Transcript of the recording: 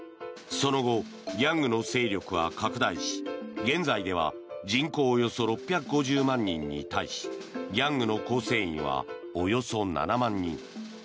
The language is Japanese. その後、ギャングの勢力は拡大し現在では人口およそ６５０万人に対しギャングの構成員はおよそ７万人。